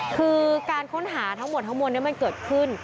คือการค้นหาทั้งหมดมันเกิดขึ้น